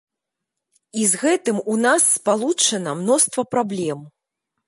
І з гэтым у нас спалучана мноства праблем.